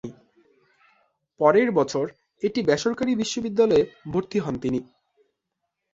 পরের বছর একটি বেসরকারি বিশ্ববিদ্যালয়ে ভর্তি হন তিনি।